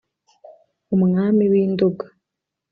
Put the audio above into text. umwami w’i nduga.